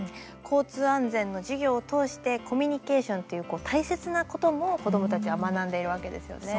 交通安全の授業を通してコミュニケーションという大切なことも、子どもたちは学んでいるわけですよね。